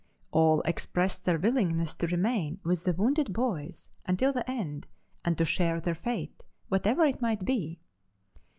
All expressed their willingness to remain with the "wounded boys" until the end and to share their fate, whatever it might be.